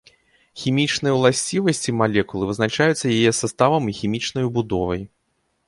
Хімічныя ўласцівасці малекулы вызначаюцца яе саставам і хімічнаю будовай.